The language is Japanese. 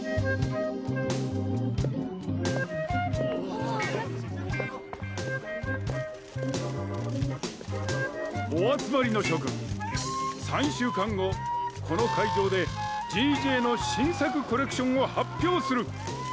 お集まりの諸君３週間後この会場でＧＪの新作コレクションを発表する。